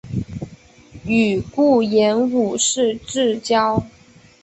与顾炎武是至交。